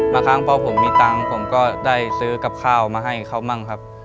บางครั้งพอผมมีตังค์ผมก็ได้ซื้อกับข้าวมาให้เขามั่งครับ